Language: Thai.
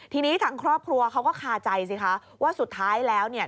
ทีนี้ทางครอบครัวเขาก็คาใจสิคะว่าสุดท้ายแล้วเนี่ย